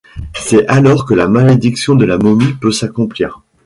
C'est alors que la malédiction de la momie peut s'accomplir.